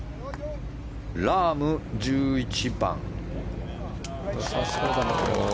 ラーム、１１番。